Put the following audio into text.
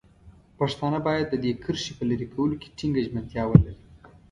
پښتانه باید د دې کرښې په لرې کولو کې ټینګه ژمنتیا ولري.